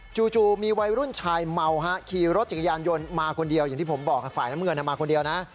จู่มีวัยรุ่นชายเมาฮะขี่รถจักรยานยนต์มาคนเดียวอย่างที่ผมบอกฝ่ายน้ำเงินมาคนเดียวนะ